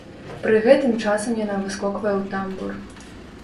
Пры гэтым часам яна выскоквае ў тамбур.